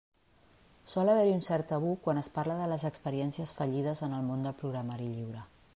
Sol haver-hi un cert tabú quan es parla de les experiències fallides en el món del programari lliure.